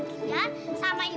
tadi aku lihat teman kakak adlian